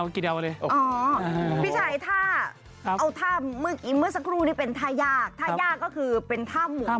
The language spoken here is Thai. ย่อยอย่างงี้เลยนะ